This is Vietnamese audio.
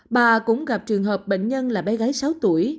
bà cũng gặp trường hợp bệnh nhân là bé gái sáu tuổi